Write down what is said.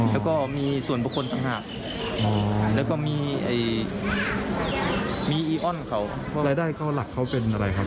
แล้วก็มีส่วนบุคคลต่างหากแล้วก็มีอีออนเขารายได้เข้าหลักเขาเป็นอะไรครับ